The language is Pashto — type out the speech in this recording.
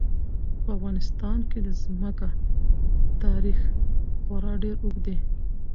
په افغانستان کې د ځمکه تاریخ خورا ډېر اوږد دی.